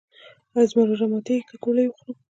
ایا زما روژه ماتیږي که ګولۍ وخورم؟